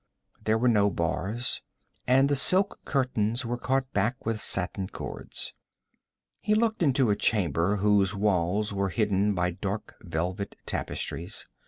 There were no bars, and the silk curtains were caught back with satin cords. He looked into a chamber whose walls were hidden by dark velvet tapestries.